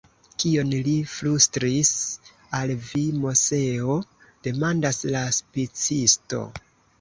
Kion li flustris al vi, Moseo? demandas la spicisto.